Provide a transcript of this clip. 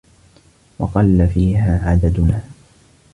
وَقَلَّ فِيهَا عَدَدُنَا